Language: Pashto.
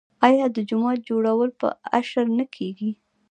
آیا د جومات جوړول په اشر نه کیږي؟